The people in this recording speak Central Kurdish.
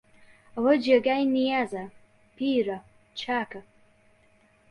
ئەوە جێگای نیازە، پیرە، چاکە